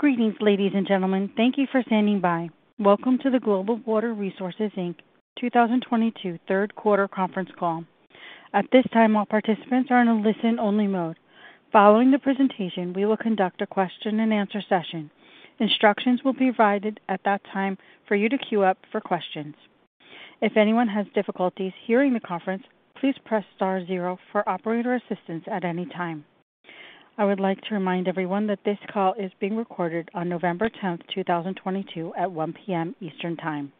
Greetings, ladies and gentlemen. Thank you for standing by. Welcome to the Global Water Resources, Inc. 2022 Q3 conference call. At this time, all participants are in a listen only mode. Following the presentation, we will conduct a question and answer session. Instructions will be provided at that time for you to queue up for questions. If anyone has difficulties hearing the conference, please press star zero for operator assistance at any time. I would like to remind everyone that this call is being recorded on November 10th 2022 at 1:00 P.M. Eastern Time.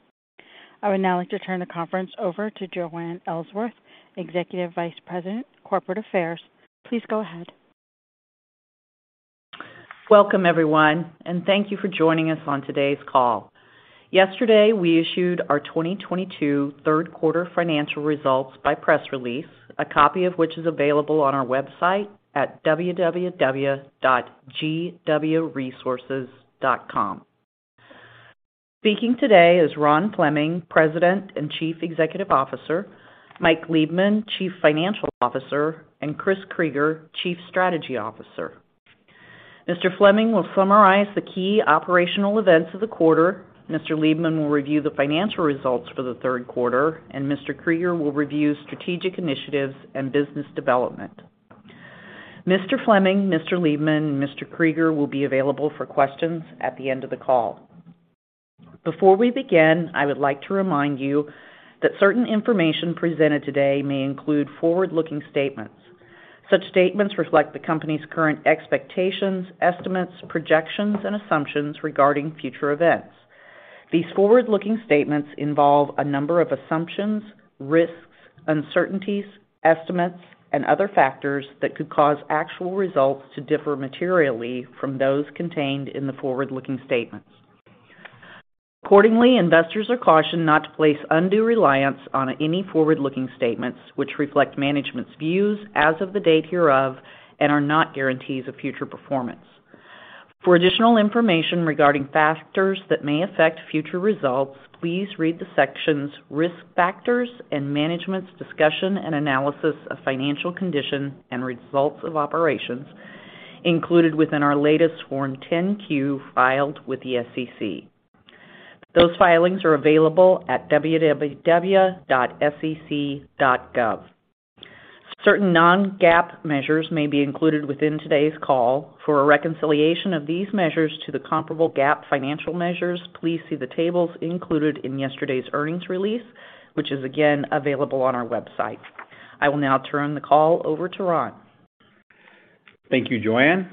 I would now like to turn the conference over to Joanne Ellsworth, Executive Vice President, Corporate Affairs. Please go ahead. Welcome, everyone, and thank you for joining us on today's call. Yesterday, we issued our 2022 Q3 financial results by press release, a copy of which is available on our website at www.gwresources.com. Speaking today is Ron Fleming, President and Chief Executive Officer, Mike Liebman, Chief Financial Officer, and Christopher Krygier, Chief Strategy Officer. Mr. Fleming will summarize the key operational events of the quarter. Mr. Liebman will review the financial results for the third quarter, and Mr. Krygier will review strategic initiatives and business development. Mr. Fleming, Mr. Liebman, and Mr. Krygier will be available for questions at the end of the call. Before we begin, I would like to remind you that certain information presented today may include forward-looking statements. Such statements reflect the company's current expectations, estimates, projections, and assumptions regarding future events. These forward-looking statements involve a number of assumptions, risks, uncertainties, estimates, and other factors that could cause actual results to differ materially from those contained in the forward-looking statements. Accordingly, investors are cautioned not to place undue reliance on any forward-looking statements which reflect management's views as of the date hereof and are not guarantees of future performance. For additional information regarding factors that may affect future results, please read the sections Risk Factors and Management's Discussion and Analysis of Financial Condition and Results of Operations included within our latest Form 10-Q filed with the SEC. Those filings are available at www.sec.gov. Certain non-GAAP measures may be included within today's call. For a reconciliation of these measures to the comparable GAAP financial measures, please see the tables included in yesterday's earnings release, which is again available on our website. I will now turn the call over to Ron. Thank you, Joanne.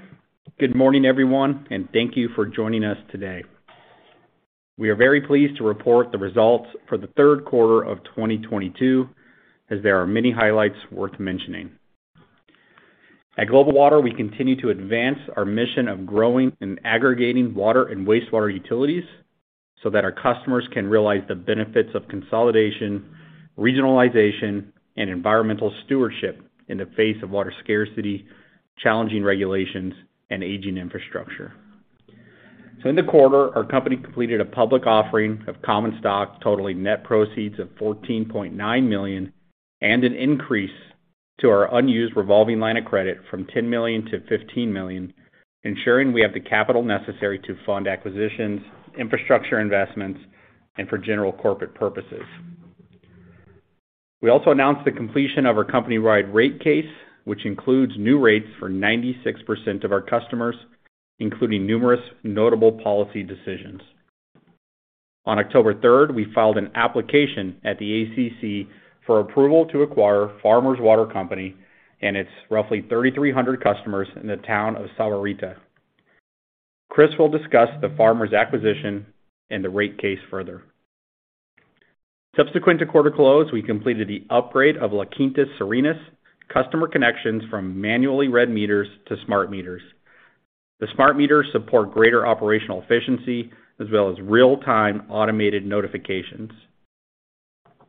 Good morning, everyone, and thank you for joining us today. We are very pleased to report the results for the Q3 of 2022 as there are many highlights worth mentioning. At Global Water, we continue to advance our mission of growing and aggregating water and wastewater utilities so that our customers can realize the benefits of consolidation, regionalization, and environmental stewardship in the face of water scarcity, challenging regulations, and aging infrastructure. In the quarter, our company completed a public offering of common stock totaling net proceeds of $14.9 million and an increase to our unused revolving line of credit from $10 million to $15 million, ensuring we have the capital necessary to fund acquisitions, infrastructure investments, and for general corporate purposes. We also announced the completion of our company-wide rate case, which includes new rates for 96% of our customers, including numerous notable policy decisions. On October 3rd, we filed an application at the ACC for approval to acquire Farmers Water Company and its roughly 3,300 customers in the town of Sahuarita. Chris will discuss the Farmers acquisition and the rate case further. Subsequent to quarter close, we completed the upgrade of Las Quintas Serenas customer connections from manually read meters to smart meters. The smart meters support greater operational efficiency as well as real-time automated notifications.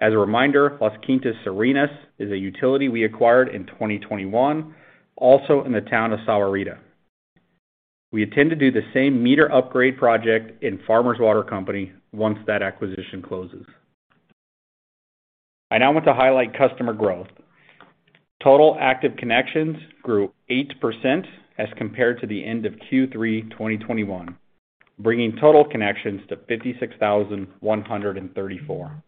As a reminder, Las Quintas Serenas is a utility we acquired in 2021, also in the town of Sahuarita. We intend to do the same meter upgrade project in Farmers Water Company once that acquisition closes. I now want to highlight customer growth. Total active connections grew 8% as compared to the end of Q3 2021, bringing total connections to 56,134.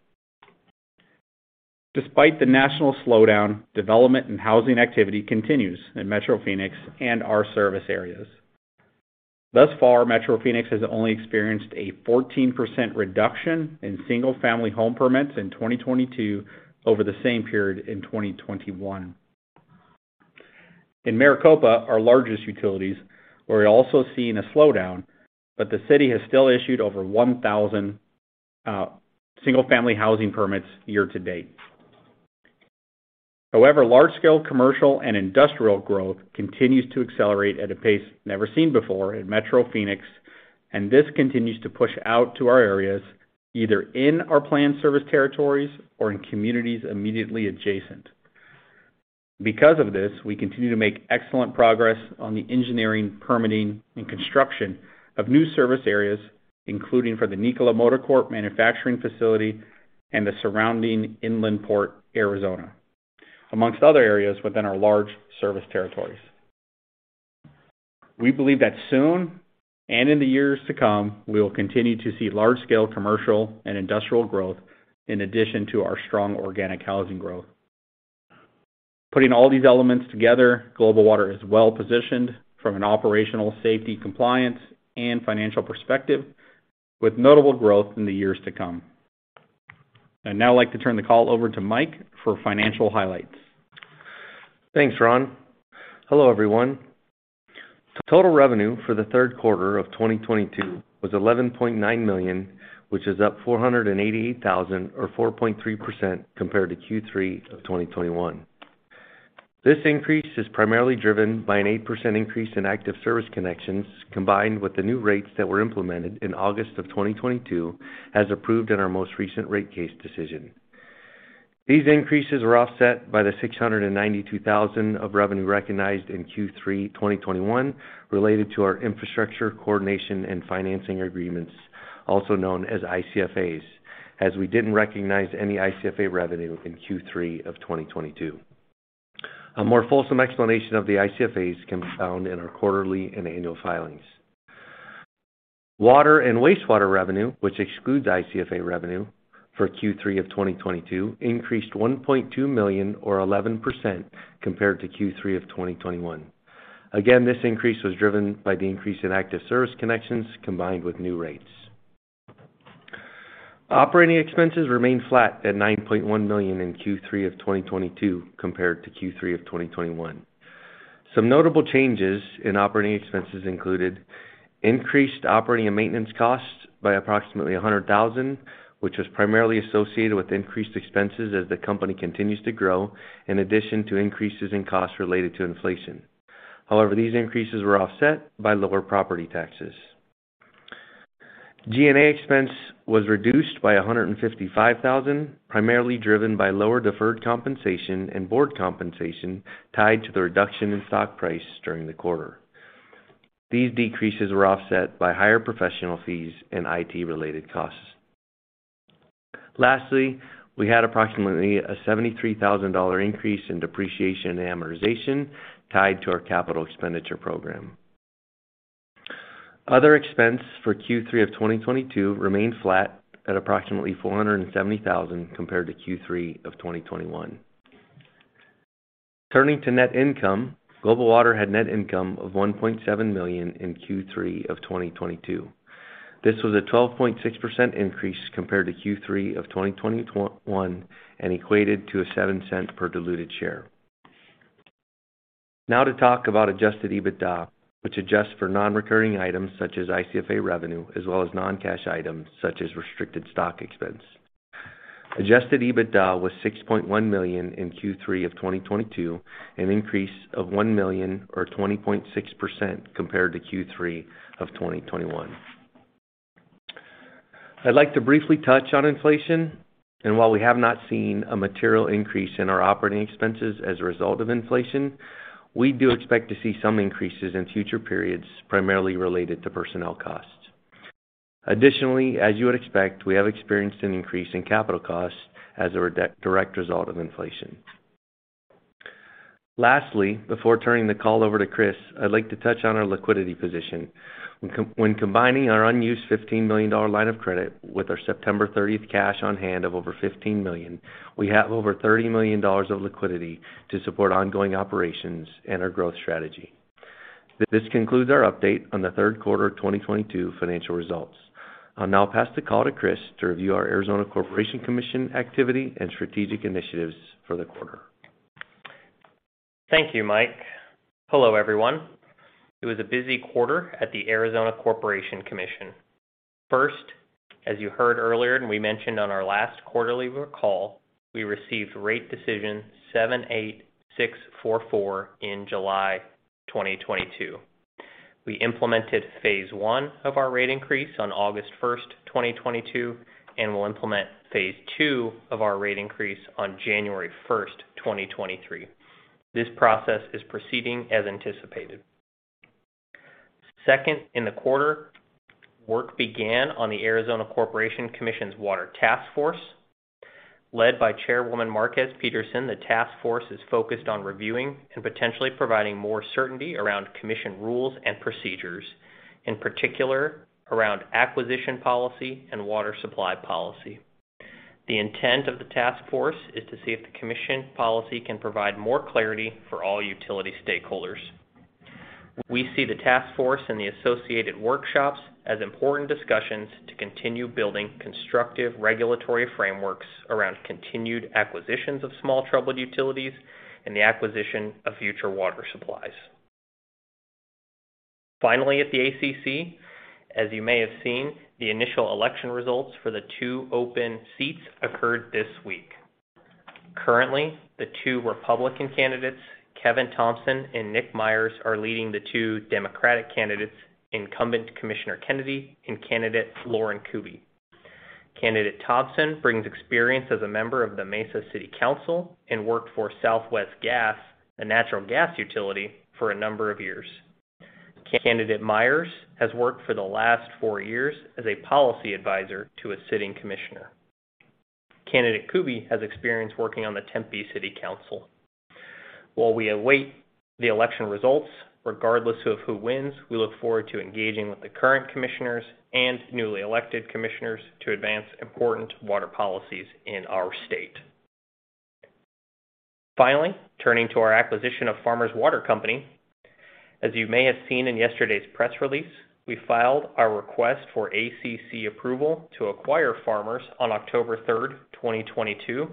Despite the national slowdown, development and housing activity continues in Metro Phoenix and our service areas. Thus far, Metro Phoenix has only experienced a 14% reduction in single-family home permits in 2022 over the same period in 2021. In Maricopa, our largest utilities, we're also seeing a slowdown, but the city has still issued over 1,000 single family housing permits year to date. However, large scale commercial and industrial growth continues to accelerate at a pace never seen before in Metro Phoenix, and this continues to push out to our areas either in our planned service territories or in communities immediately adjacent. Because of this, we continue to make excellent progress on the engineering, permitting, and construction of new service areas, including for the Nikola Corporation manufacturing facility and the surrounding Inland Port Arizona. Amongst other areas within our large service territories. We believe that soon and in the years to come, we will continue to see large scale commercial and industrial growth in addition to our strong organic housing growth. Putting all these elements together, Global Water is well-positioned from an operational safety, compliance, and financial perspective with notable growth in the years to come. I'd now like to turn the call over to Mike for financial highlights. Thanks, Ron. Hello, everyone. Total revenue for the third quarter of 2022 was $11.9 million, which is up $488,000 or 4.3% compared to Q3 of 2021. This increase is primarily driven by an 8% increase in active service connections, combined with the new rates that were implemented in August of 2022, as approved in our most recent rate case decision. These increases were offset by the $692,000 of revenue recognized in Q3 2021 related to our infrastructure, coordination, and financing agreements, also known as ICFAs, as we didn't recognize any ICFA revenue in Q3 of 2022. A more fulsome explanation of the ICFAs can be found in our quarterly and annual filings. Water and wastewater revenue, which excludes ICFA revenue for Q3 of 2022, increased $1.2 million or 11% compared to Q3 of 2021. This increase was driven by the increase in active service connections combined with new rates. Operating expenses remained flat at $9.1 million in Q3 of 2022 compared to Q3 of 2021. Some notable changes in operating expenses included increased operating and maintenance costs by approximately $100,000, which was primarily associated with increased expenses as the company continues to grow, in addition to increases in costs related to inflation. These increases were offset by lower property taxes. G&A expense was reduced by $155,000, primarily driven by lower deferred compensation and board compensation tied to the reduction in stock price during the quarter. These decreases were offset by higher professional fees and IT related costs. Lastly, we had approximately a $73,000 increase in depreciation and amortization tied to our capital expenditure program. Other expense for Q3 of 2022 remained flat at approximately $470,000 compared to Q3 of 2021. Turning to net income, Global Water had net income of $1.7 million in Q3 of 2022. This was a 12.6% increase compared to Q3 of 2021 and equated to a $0.07 per diluted share. Now to talk about adjusted EBITDA, which adjusts for non-recurring items such as ICFA revenue, as well as non-cash items such as restricted stock expense. Adjusted EBITDA was $6.1 million in Q3 of 2022, an increase of $1 million or 20.6% compared to Q3 of 2021. I'd like to briefly touch on inflation. While we have not seen a material increase in our operating expenses as a result of inflation, we do expect to see some increases in future periods, primarily related to personnel costs. Additionally, as you would expect, we have experienced an increase in capital costs as a direct result of inflation. Lastly, before turning the call over to Chris, I'd like to touch on our liquidity position. When combining our unused $15 million line of credit with our September 30th cash on hand of over $15 million, we have over $30 million of liquidity to support ongoing operations and our growth strategy. This concludes our update on the Q3 of 2022 financial results. I'll now pass the call to Chris to review our Arizona Corporation Commission activity and strategic initiatives for the quarter. Thank you, Mike. Hello, everyone. It was a busy quarter at the Arizona Corporation Commission. First, as you heard earlier and we mentioned on our last quarterly call, we received Rate Decision No. 78644 in July 2022. We implemented phase one of our rate increase on August 1st 2022, and we'll implement phase II of our rate increase on January 1st 2023. This process is proceeding as anticipated. Second, in the quarter, work began on the Arizona Corporation Commission's Water Task Force. Led by Chairwoman Lea Márquez Peterson, the task force is focused on reviewing and potentially providing more certainty around commission rules and procedures, in particular around acquisition policy and water supply policy. The intent of the task force is to see if the commission policy can provide more clarity for all utility stakeholders. We see the task force and the associated workshops as important discussions to continue building constructive regulatory frameworks around continued acquisitions of small troubled utilities and the acquisition of future water supplies. Finally, at the ACC, as you may have seen, the initial election results for the two open seats occurred this week. Currently, the two Republican candidates, Kevin Thompson and Nick Myers, are leading the two Democratic candidates, incumbent Commissioner Kennedy and candidate Lauren Kuby. Candidate Thompson brings experience as a member of the Mesa City Council and worked for Southwest Gas, a natural gas utility, for a number of years. Candidate Myers has worked for the last four years as a policy advisor to a sitting commissioner. Candidate Kuby has experience working on the Tempe City Council. While we await the election results, regardless of who wins, we look forward to engaging with the current commissioners and newly elected commissioners to advance important water policies in our state. Finally, turning to our acquisition of Farmers Water Company. As you may have seen in yesterday's press release, we filed our request for ACC approval to acquire Farmers on October 3rd 2022.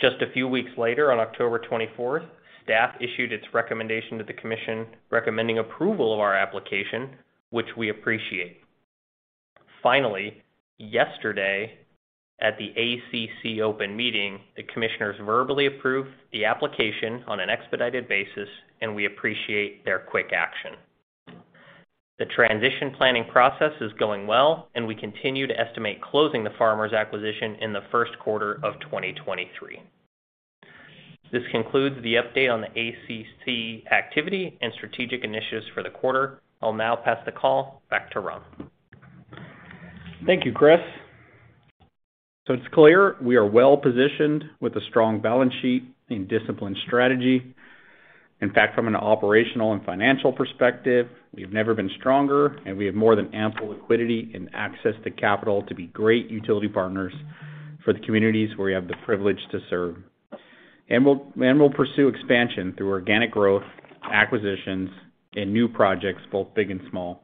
Just a few weeks later, on October 24th, staff issued its recommendation to the commission recommending approval of our application, which we appreciate. Finally, yesterday at the ACC open meeting, the commissioners verbally approved the application on an expedited basis, and we appreciate their quick action. The transition planning process is going well, and we continue to estimate closing the Farmers acquisition in the Q1 of 2023. This concludes the update on the ACC activity and strategic initiatives for the quarter. I'll now pass the call back to Ron. Thank you, Chris. It's clear we are well-positioned with a strong balance sheet and disciplined strategy. In fact, from an operational and financial perspective, we've never been stronger, and we have more than ample liquidity and access to capital to be great utility partners for the communities where we have the privilege to serve. We'll pursue expansion through organic growth, acquisitions, and new projects, both big and small.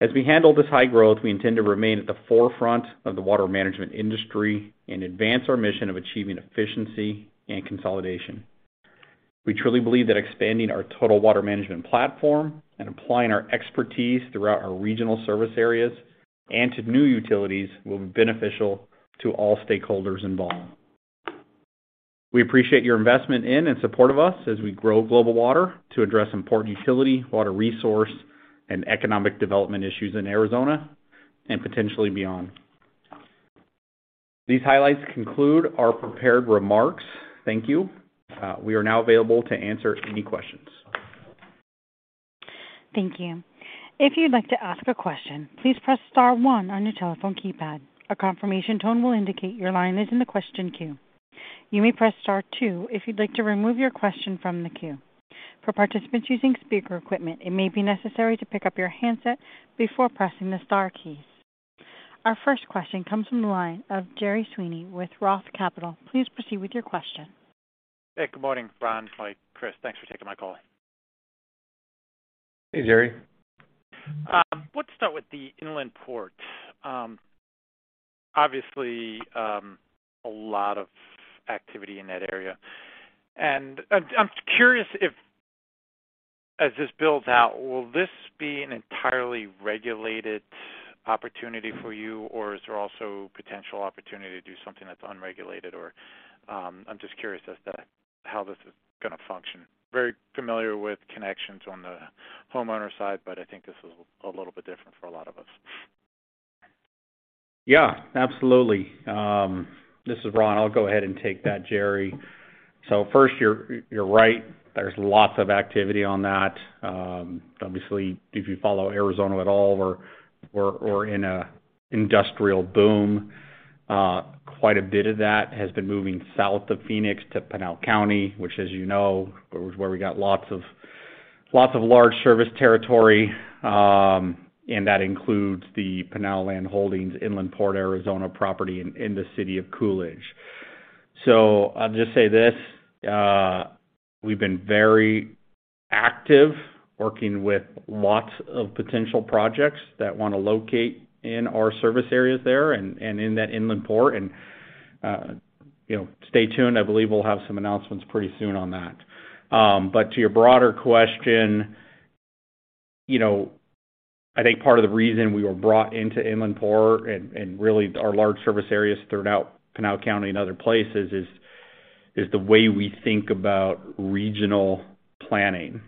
As we handle this high growth, we intend to remain at the forefront of the water management industry and advance our mission of achieving efficiency and consolidation. We truly believe that expanding our total water management platform and applying our expertise throughout our regional service areas and to new utilities will be beneficial to all stakeholders involved. We appreciate your investment in and support of us as we grow Global Water to address important utility, water resource, and economic development issues in Arizona and potentially beyond. These highlights conclude our prepared remarks. Thank you. We are now available to answer any questions. Thank you. If you'd like to ask a question, please press star one on your telephone keypad. A confirmation tone will indicate your line is in the question queue. You may press star two if you'd like to remove your question from the queue. For participants using speaker equipment, it may be necessary to pick up your handset before pressing the star keys. Our first question comes from the line of Gerry Sweeney with Roth Capital Partners. Please proceed with your question. Hey, good morning, Ron, Chris. Thanks for taking my call. Hey, Gerry. Let's start with the Inland Port. Obviously, a lot of activity in that area. I'm curious if, as this builds out, will this be an entirely regulated opportunity for you, or is there also potential opportunity to do something that's unregulated? Or, I'm just curious as to how this is gonna function. Very familiar with connections on the homeowner side, but I think this is a little bit different for a lot of us. Yeah, absolutely. This is Ron. I'll go ahead and take that, Gerry. First, you're right. There's lots of activity on that. Obviously, if you follow Arizona at all, we're in an industrial boom. Quite a bit of that has been moving south of Phoenix to Pinal County, which as you know, is where we got lots of large service territory, and that includes the Pinal Land Holdings Inland Port Arizona property in the city of Coolidge. I'll just say this, we've been very active working with lots of potential projects that wanna locate in our service areas there and in that inland port. You know, stay tuned. I believe we'll have some announcements pretty soon on that. To your broader question, you know, I think part of the reason we were brought into Inland Port and really our large service areas throughout Pinal County and other places is the way we think about regional planning.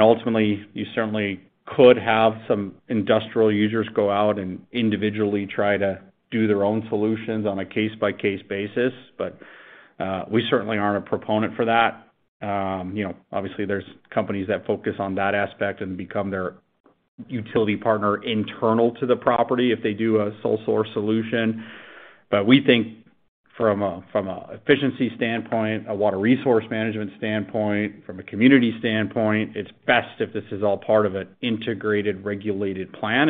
Ultimately, you certainly could have some industrial users go out and individually try to do their own solutions on a case-by-case basis, but we certainly aren't a proponent for that. You know, obviously there's companies that focus on that aspect and become their utility partner internal to the property if they do a sole source solution. We think from a efficiency standpoint, a water resource management standpoint, from a community standpoint, it's best if this is all part of an integrated, regulated plan,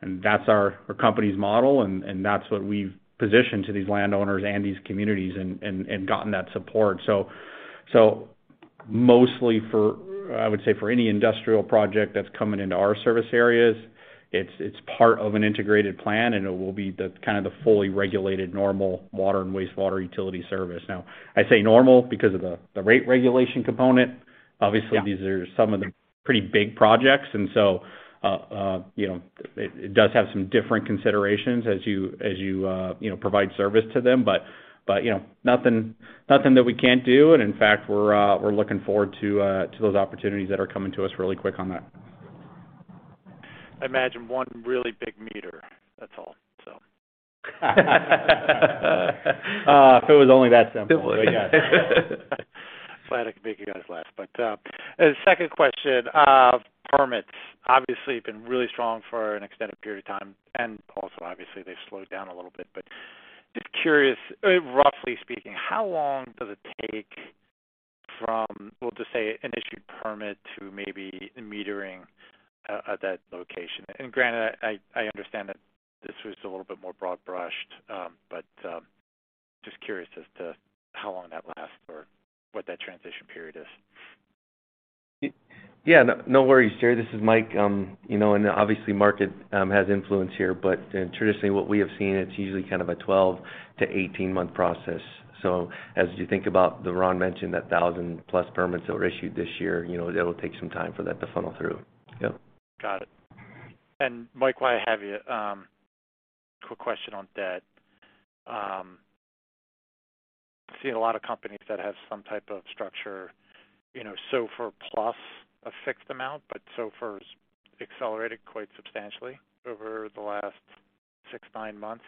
and that's our company's model and that's what we've positioned to these landowners and these communities and gotten that support. Mostly for, I would say, for any industrial project that's coming into our service areas, it's part of an integrated plan, and it will be the kind of fully regulated normal water and wastewater utility service. Now, I say normal because of the rate regulation component. Obviously, these are some of the pretty big projects and you know, it does have some different considerations as you you know, provide service to them. You know, nothing that we can't do. In fact, we're looking forward to those opportunities that are coming to us really quick on that. I imagine one really big meter, that's all. If it was only that simple. If it was. Glad I could make you guys laugh. Second question. Permits obviously been really strong for an extended period of time, and also obviously they've slowed down a little bit, but just curious, roughly speaking, how long does it take from, we'll just say an issued permit to maybe metering a at that location? Granted, I understand that this was a little bit more broad brushed, but just curious as to how long that lasts or what that transition period is. Yeah. No worries, Gerry. This is Mike. You know, obviously market has influence here, but then traditionally what we have seen, it's usually kind of a 12- to 18-month process. As you think about that Ron mentioned, that 1,000+ permits that were issued this year, you know, it'll take some time for that to funnel through. Yep. Got it. Mike, while I have you, quick question on debt. Seen a lot of companies that have some type of structure, you know, SOFR plus a fixed amount, but SOFR's accelerated quite substantially over the last six, nine months.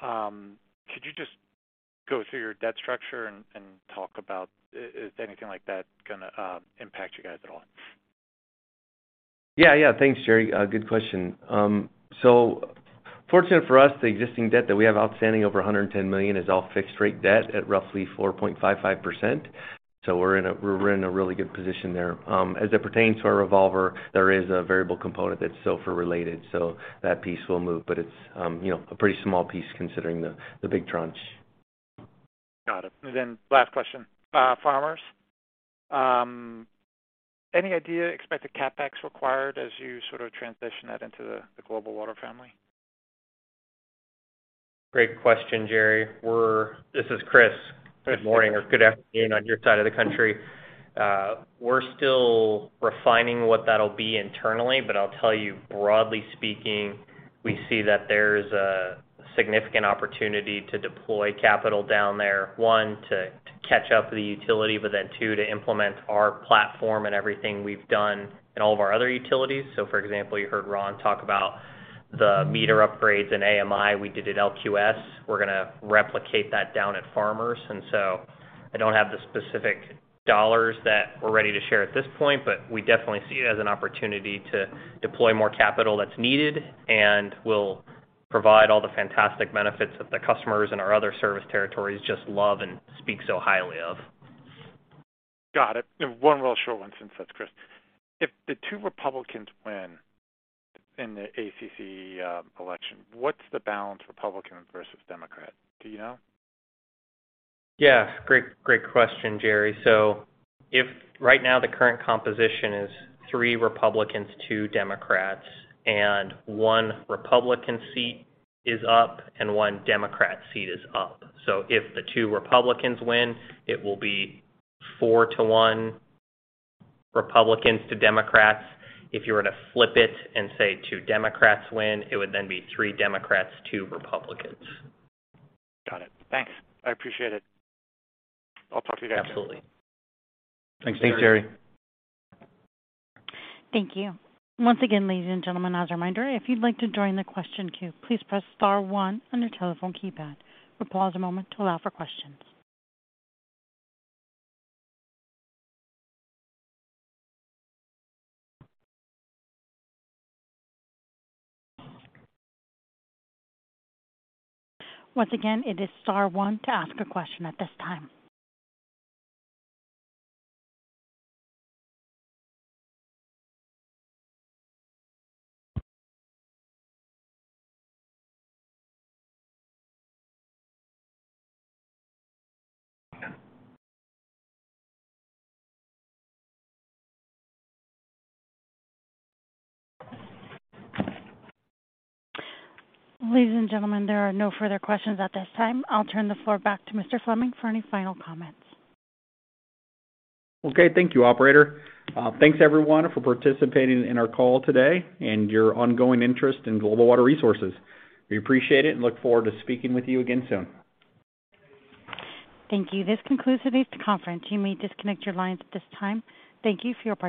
Could you just go through your debt structure and talk about is anything like that gonna impact you guys at all? Yeah, yeah. Thanks, Gerry. A good question. Fortunate for us, the existing debt that we have outstanding over $110 million is all fixed rate debt at roughly 4.55%. We're in a really good position there. As it pertains to our revolver, there is a variable component that's SOFR related, that piece will move, but it's, you know, a pretty small piece considering the big tranche. Got it. Last question. Farmers. Any idea expected CapEx required as you sort of transition that into the Global Water family? Great question, Gerry. This is Chris. Good morning or good afternoon on your side of the country. We're still refining what that'll be internally, but I'll tell you, broadly speaking, we see that there's a significant opportunity to deploy capital down there, one, to catch up the utility, but then two, to implement our platform and everything we've done in all of our other utilities. For example, you heard Ron talk about the meter upgrades in AMI we did at LQS. We're gonna replicate that down at Farmers. I don't have the specific dollars that we're ready to share at this point, but we definitely see it as an opportunity to deploy more capital that's needed, and we'll provide all the fantastic benefits that the customers and our other service territories just love and speak so highly of. Got it. One real short one since that's Chris. If the two Republicans win in the ACC election, what's the balance, Republican versus Democrat? Do you know? Yeah. Great, great question, Gerry. If right now the current composition is three Republicans, two Democrats, and one Republican seat is up and one Democrat seat is up. If the two Republicans win, it will be four to one, Republicans to Democrats. If you were to flip it and say two Democrats win, it would then be three Democrats, two Republicans. Got it. Thanks. I appreciate it. I'll talk to you guys. Absolutely. Thanks, Gerry. Thanks, Gerry. Thank you. Once again, ladies and gentlemen, as a reminder, if you'd like to join the question queue, please press star one on your telephone keypad. We'll pause a moment to allow for questions. Once again, it is star one to ask a question at this time. Ladies and gentlemen, there are no further questions at this time. I'll turn the floor back to Mr. Fleming for any final comments. Okay. Thank you, operator. Thanks everyone for participating in our call today and your ongoing interest in Global Water Resources. We appreciate it and look forward to speaking with you again soon. Thank you. This concludes today's conference. You may disconnect your lines at this time. Thank you for your participation.